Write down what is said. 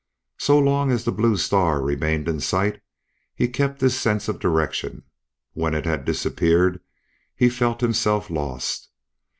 So long as the Blue Star remained in sight he kept his sense of direction; when it had disappeared he felt himself lost.